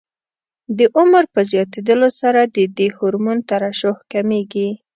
د عمر په زیاتېدلو سره د دې هورمون ترشح کمېږي.